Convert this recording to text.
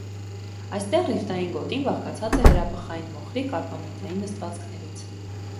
Այստեղ ռիֆտային գոտին բաղկացած է հրաբխային մոխրի կարբոնատային նստվածքներից։